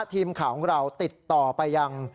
ทีมข่าวของเราติดต่อไปยัง